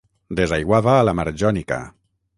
Desaiguava a la mar Jònica.